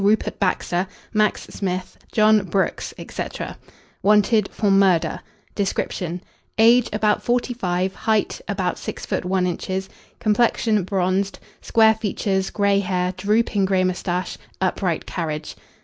RUPERT BAXTER, MAX SMITH, JOHN BROOKS, etc. Wanted For MURDER. DESCRIPTION. Age, about 45; height, about 6 ft. 1 in.; complexion, bronzed; square features; grey hair; drooping grey moustache; upright carriage.